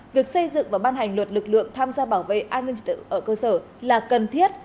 việc xây dựng và ban hành luật lực lượng tham gia bảo vệ an ninh trật tự ở cơ sở là cần thiết